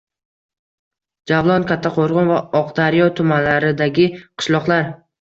Javlon - Kattaqo‘rg‘on va Oqdaryo tumanlaridagi qishloqlar.